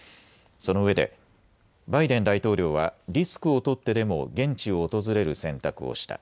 そのうえでバイデン大統領はリスクを取ってでも現地を訪れる選択をした。